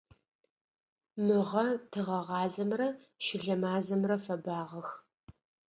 Мыгъэ тыгъэгъазэмрэ щылэ мазэмрэ фэбагъэх.